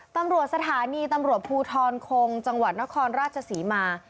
ตำรวจสถานีตำรวจภูทรคงจังหวัดนครราชศรีมา